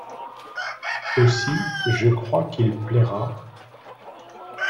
Aussi je crois qu’il plaira…